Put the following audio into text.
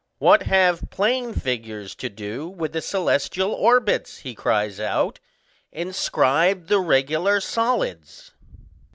"What have plane figures to do with the celestial orbits?" he cries out; "inscribe the regular solids."